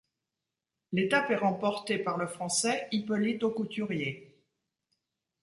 L'étape est remportée par le Français Hippolyte Aucouturier.